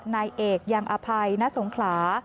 นายเอกยังอภัยณสงขลา